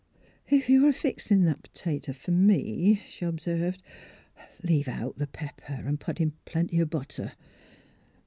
*' If you're a fixin' that p'tato fer me," she observed, '' leave out the pepper an' put in plenty o' butter.